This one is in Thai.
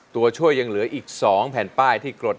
ตัวช่วยยังเหลืออีก๒แผ่นป้ายที่กรด